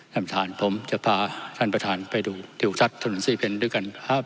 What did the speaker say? ท่านประธานผมจะพาท่านประธานไปดูทิวทัศน์ถนนสี่เพนด้วยกันครับ